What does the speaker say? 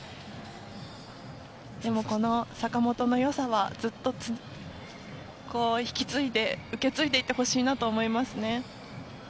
でも、この坂本の良さはずっと引き継いで受け継いでいってほしいなと思いますね。